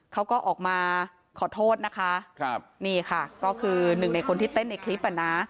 เขาก็ออกมาขอโทษนะคะครับนี่ค่ะก็คือหนึ่งในคนที่เต้นในคลิปอ่ะนะ